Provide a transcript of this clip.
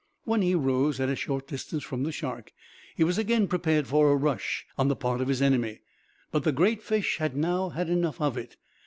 When he rose, at a short distance from the shark, he was again prepared for a rush on the part of his enemy; but the great fish had now had enough of it.